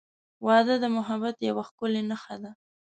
• واده د محبت یوه ښکلی نښه ده.